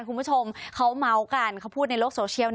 คุณผู้ชมเขาเมาส์กันเขาพูดในโลกโซเชียล